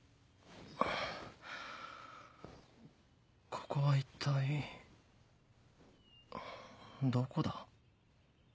ここは一体どこだ？